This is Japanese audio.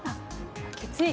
「血液」